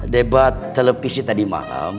debat televisi tadi malam